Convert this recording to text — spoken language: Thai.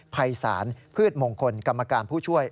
ภัยศาลพืชมงคลกรรมการผู้ช่วย